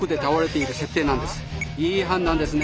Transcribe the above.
いい判断ですね。